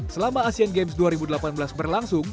selama asian games dua ribu delapan belas berlangsung